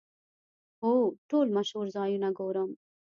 هو، ټول مشهور ځایونه ګورم